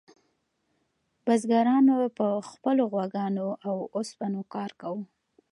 بزګرانو په خپلو غواګانو او اوسپنو کار کاوه.